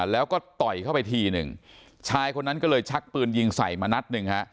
แล้วก็ต่อยเข้าไปทีหนึ่งชายคนนั้นก็เลยชักปืนยิงใส่มานัดหนึ่งฮะ